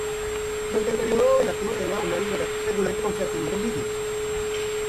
Durante el período vegetativo se debe abonar y regar regularmente con fertilizante líquido.